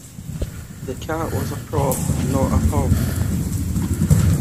The cat was a prop and not a purse.